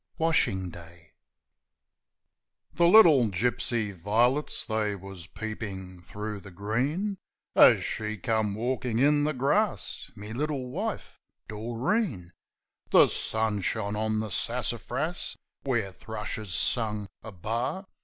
Washing Day HE little gipsy vi'lits, they wus peepin' thro' the green As she come walkin' in the grass, me little wife, Doreen. The sun shone on the sassafras, where thrushes sung a bar.